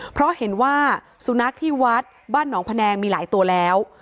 เพราะเห็นว่าสุนัขที่วัดบ้านหนองพะแนงมีหลายตัวแล้ว